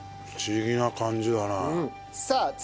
不思議な感じだなあ。